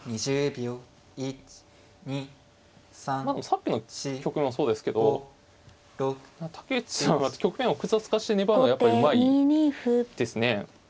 さっきの局もそうですけど竹内さんは局面を複雑化して粘るのはやっぱうまいですね。